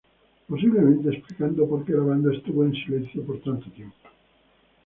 Posiblemente explicando porque la banda estuvo en silencio por tanto tiempo.